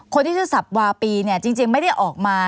คนที่ชื่อสับวาปีเนี่ยจริงไม่ได้ออกมา